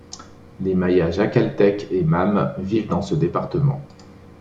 Les Maya Jacaltec et Mam vivent dans ce département.